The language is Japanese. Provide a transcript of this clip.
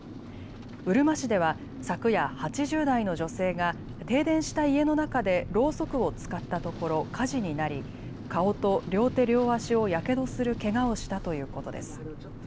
うるま市では昨夜、８０代の女性が停電した家の中でろうそくを使ったところ火事になり顔と両手両足をやけどするけがをしたということです。